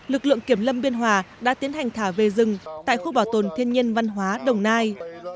lực lượng kiểm lâm biên hòa đã tiến hành thả về rừng tại khu bảo tồn thiên nhiên văn hóa đồng nai